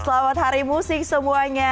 selamat hari musik semuanya